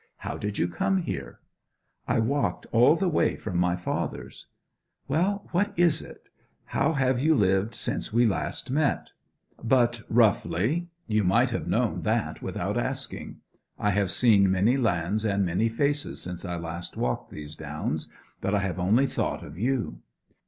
How did you come here?' 'I walked all the way from my father's.' 'Well, what is it? How have you lived since we last met?' 'But roughly; you might have known that without asking. I have seen many lands and many faces since I last walked these downs, but I have only thought of you.'